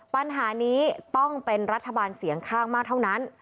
ปัญหานี้ต้องเป็นรัฐบาลเสียงข้างมากเท่านั้น